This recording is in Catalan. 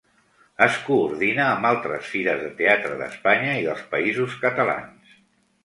Es coordina amb altres fires de teatre d'Espanya i dels Països Catalans.